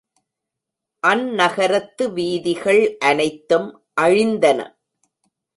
அந் நகரத்து வீதிகள் அனைத்தும் அழிந்தன.